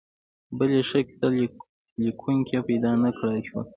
بل یې ښه کیسه لیکونکي پیدا نکړای شول.